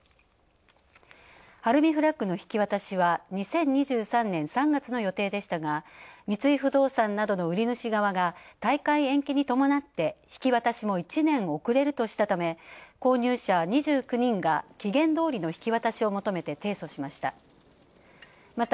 晴海フラッグの引き渡しは２０２３年３月の予定でしたが三井不動産などの売り主側が、大会延期に伴って引き渡しも１年遅れるとしたため購入者２９人が期限どおりの引き渡しを求めて提訴しました。